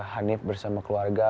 hanif bersama keluarga